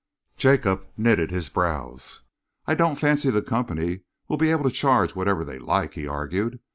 Jacob knitted his brows. "I don't fancy the company will be able to charge whatever they like," he argued.